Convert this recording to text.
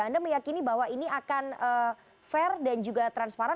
anda meyakini bahwa ini akan fair dan juga transparan